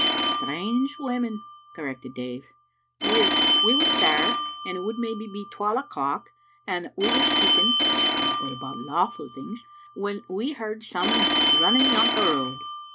"Strange women," corrected Dave. " Weel, we was there, and it would maybe be twal o'clock, and we was speaking (but about lawful things) when we heard some ane running yont the road.